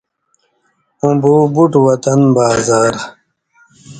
او بو بُٹ وطن بازار